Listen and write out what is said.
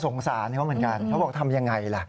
สงสารเขาเหมือนกันเขาบอกทำยังไงล่ะ